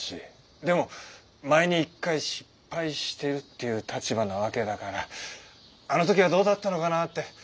でも前に一回失敗してるっていう立場なわけだからあの時はどうだったのかなって。